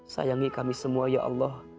sayangi kami semua ya allah